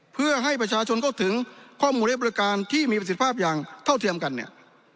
เพื่อให้ประชาชนเข้าถึงข้อมูลให้บริการที่มีประสิทธิภาพอย่างเท่าเทียมกันเนี่ย